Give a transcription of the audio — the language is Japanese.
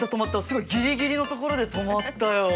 すごいギリギリの所で止まったよ。